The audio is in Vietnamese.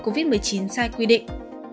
covid một mươi chín sai quy định